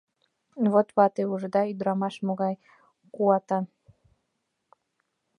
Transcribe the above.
Вот вате, ужыда, ӱдырамаш могай куатан!